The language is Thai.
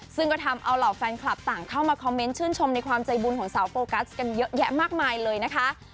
ซึ่งก็ทำเอาเหล่าแฟนคลับต่างเข้ามาคอมเมนต์ชื่นชมในความใจบุญของสาวโฟกัสกันเยอะแยะมากมายเลยนะคะ